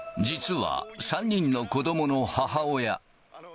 実は、３人の子どもの母親。